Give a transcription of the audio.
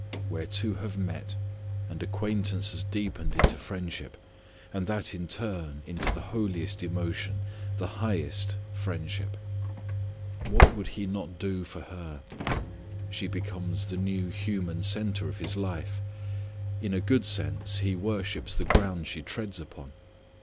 Where two have met, and acquaintance has deepened into friendship, and that in turn into the holiest emotion, the highest friendship. What would he not do for her! She becomes the new human centre of his life. In a good sense he worships the ground she treads upon.